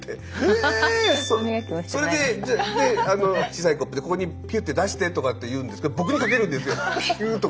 で小さいコップでここにぴゅって出してとかって言うんですけど僕にかけるんですよ。